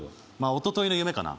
おとといの夢かな